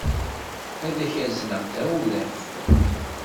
Ad k-azneɣ tawlaft.